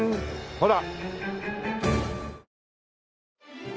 ほら。